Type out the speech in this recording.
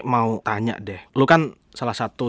mau tanya deh lu kan salah satu